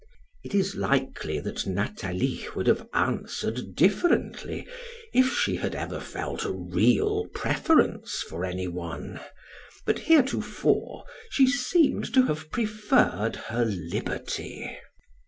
It is likely that Nathalie would have answered differently if she had ever felt a real preference for any one; but heretofore she seemed to have preferred her liberty.